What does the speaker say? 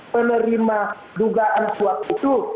penerima dugaan suatu